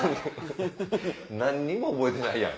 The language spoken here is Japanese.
何にも覚えてないやん！